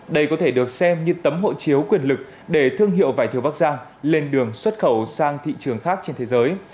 đây có thể được xem như tấm hộ chiếu quyền lực để thương hiệu vải thiều bắc giang lên đường xuất khẩu sang thị trường khác trên thế giới